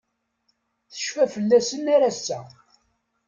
Tecfa fell-asen ar ass-a.